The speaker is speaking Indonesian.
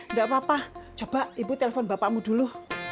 nggak apa apa coba ibu telpon bapakmu dulu